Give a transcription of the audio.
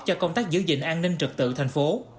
cho công tác giữ gìn an ninh trực tự thành phố